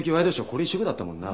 これ一色だったもんな。